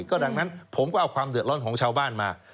ก็ดังนั้นผมก็เอาความเดือดร้อนของชาวบ้านมา